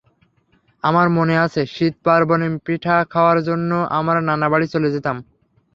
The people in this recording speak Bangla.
আমার মনে আছে, শীত পার্বণে পিঠা খাওয়ার জন্য আমরা নানাবাড়ি চলে যেতাম।